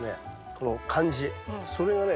この感じそれがね